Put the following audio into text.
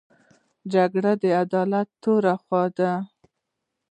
جګړه د عدالت توره خوله ده